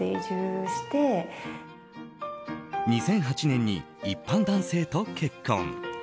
２００８年に一般男性と結婚。